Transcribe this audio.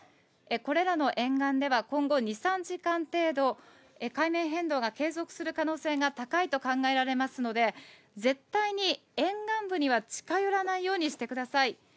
これらの沿岸では今後２、３時間程度、海面変動が継続する可能性が高いと考えられますので、絶対に沿岸部には近寄らないようにしてください。